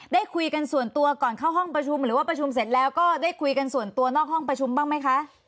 ได้คุยกันส่วนตัวก่อนเข้าห้องประชุมหรือว่าประชุมเสร็จแล้วก็ได้คุยกันส่วนตัวนอกห้องประชุมบ้างไหมคะ